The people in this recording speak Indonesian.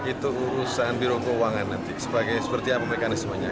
itu urusan biro keuangan nanti seperti apa mekanismenya